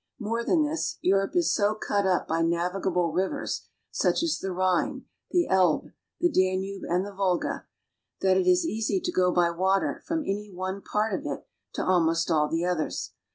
More than this, Europe is so cut up by navigable rivers, such as the Rhine, the Elbe, the Danube, and the Volga, that it is easy to go by water from any one part of it to almost all the others.